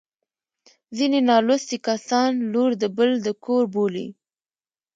ځیني نالوستي کسان لور د بل د کور بولي